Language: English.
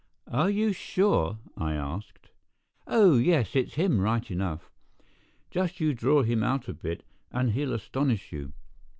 "Are you sure?" I asked. "Oh, yes, it's him right enough. Just you draw him out a bit, and he'll astonish you.